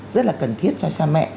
rất là cần thiết cho cha mẹ